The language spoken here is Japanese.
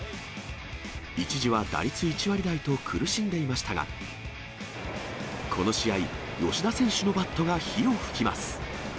一時は打率１割台と苦しんでいましたが、この試合、吉田選手のバットが火を噴きます。